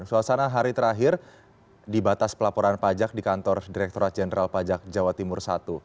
suasana hari terakhir di batas pelaporan pajak di kantor direkturat jenderal pajak jawa timur i